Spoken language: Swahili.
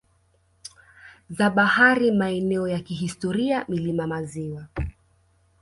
za bahari maeneo ya kihistoria milima maziwa